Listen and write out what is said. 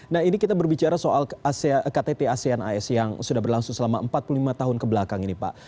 nah ini kita berbicara soal ktt asean as yang sudah berlangsung selama empat puluh lima tahun kebelakang ini pak